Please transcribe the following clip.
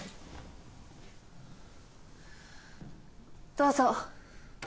どうぞ。